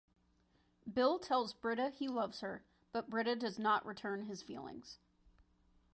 Bill tells Brita he loves her, but Brita does not return his feelings.